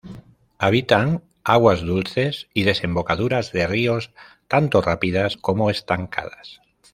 Habitan aguas dulces y desembocaduras de ríos, tanto rápidas como estancadas.